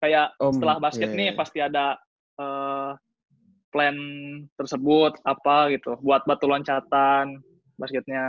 kayak setelah basket nih pasti ada plan tersebut apa gitu buat batu loncatan basketnya